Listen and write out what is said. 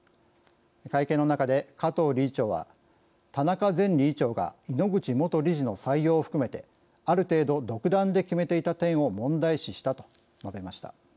会見の中で加藤理事長は「田中前理事長が井ノ口元理事の採用を含めてある程度独断で決めていた点を問題視した」と述べました。